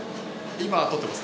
今撮ってます。